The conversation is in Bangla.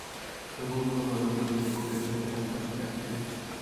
তবুও কোনো পদোন্নতি ব্যতীত এখানে কাজ করছো, ক্যাপ্টেন।